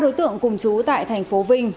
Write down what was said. ba đối tượng cùng trú tại tp vinh